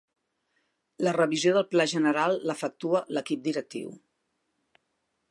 La revisió del Pla general l'efectua l'equip directiu.